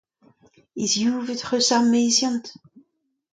Hizivaet 'c'h eus ar meziant ?